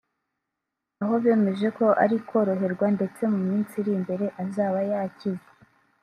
aho bemeje ko ari koroherwa ndetse mu minsi iri imbere azaba yakize